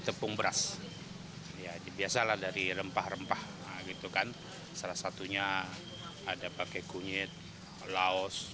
tepung beras ya biasalah dari rempah rempah gitu kan salah satunya ada pakai kunyit laos